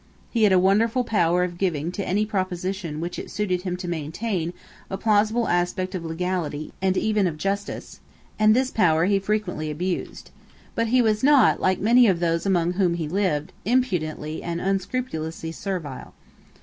He had a wonderful power of giving to any proposition which it suited him to maintain a plausible aspect of legality and even of justice; and this power he frequently abused. But he was not, like many of those among whom he lived, impudently and unscrupulously servile.